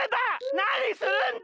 なにするんだ！